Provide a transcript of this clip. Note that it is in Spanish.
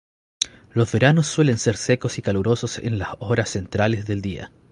Los veranos suelen ser secos y calurosos en las horas centrales del día.